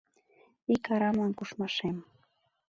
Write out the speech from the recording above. Ик арамлан кушмашем.